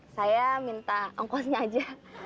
saya minta ongkosnya aja